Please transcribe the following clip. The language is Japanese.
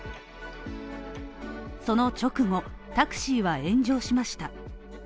その直後、タクシーは炎上しました。